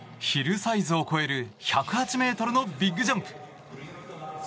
ヒルサイズを越える１０８ｍのビッグジャンプ。